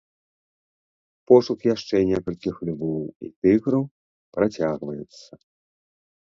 Пошук яшчэ некалькіх львоў і тыграў працягваецца.